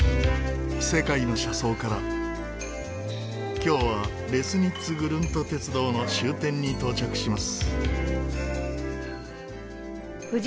今日はレスニッツグルント鉄道の終点に到着します。